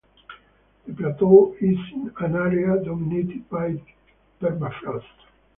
The plateau is in an area dominated by permafrost.